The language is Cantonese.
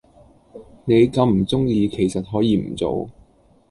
你咁唔鐘意其實可以唔做